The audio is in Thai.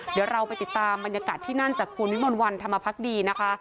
เดี๋ยวเราไปติดตามบรรยากาศที่นั่นจากคุณวิมลวันธรรมพักดีนะคะ